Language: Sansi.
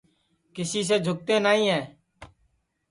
کیسی سے جھوکتے نائی ہے